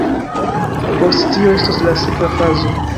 Post tio estos la sekva fazo.